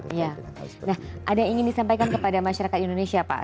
nah ada yang ingin disampaikan kepada masyarakat indonesia pak